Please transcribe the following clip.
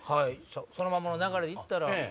そのままの流れで行ったら。